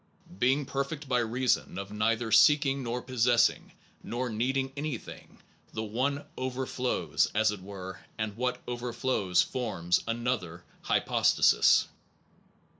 Being perfect by reason of neither seeking nor possessing nor needing anything, the One overflows, as it were, and what over flows forms another hypostasis.